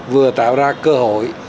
vừa tạo ra cơ hội